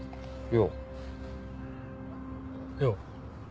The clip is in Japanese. よう。